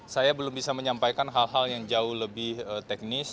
saya belum bisa menyampaikan hal hal yang jauh lebih teknis